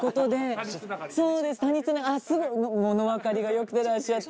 すぐ物分りが良くていらっしゃって。